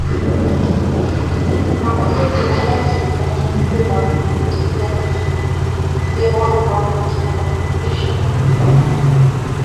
Maambukizi yanaweza kusambazwa kupitia hewani wakati wa kulisha kundi la wanyama